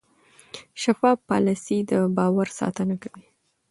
شفاف پالیسي د باور ساتنه کوي.